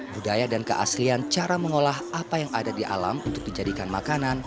budaya dan keaslian cara mengolah apa yang ada di alam untuk dijadikan makanan